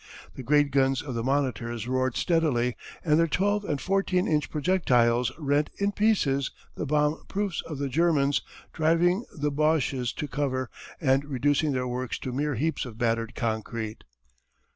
The great guns of the monitors roared steadily and their twelve and fourteen inch projectiles rent in pieces the bomb proofs of the Germans, driving the Boches to cover and reducing their works to mere heaps of battered concrete.